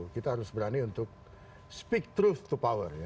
kita harus berani untuk speak truth to power